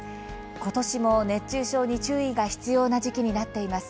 今年も熱中症に注意が必要な時期になっています。